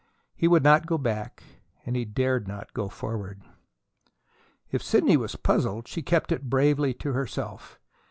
He would not go back, and he dared not go forward. If Sidney was puzzled, she kept it bravely to herself.